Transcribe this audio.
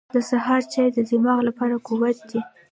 • د سهار چای د دماغ لپاره قوت دی.